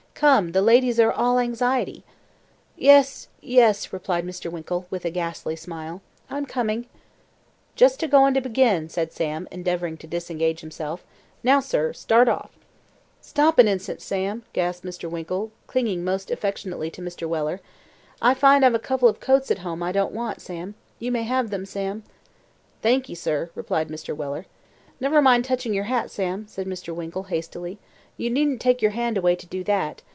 "Come, the ladies are all anxiety." "Yes, yes," replied Mr. Winkle, with a ghastly smile. "I'm coming." "Just a goin' to begin," said Sam, endeavouring to disengage himself. "Now, sir, start off." "Stop an instant, Sam," gasped Mr. Winkle, clinging most affectionately to Mr. Weller. "I find I've a couple of coats at home that I don't want, Sam. You may have them, Sam." "Thank'ee, sir," replied Mr. Weller. "Never mind touching your hat, Sam," said Mr. Winkle, hastily. "You needn't take your hand away to do that.